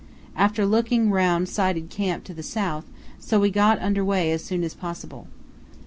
After looking round sighted camp to the south, so we got under way as soon as possible.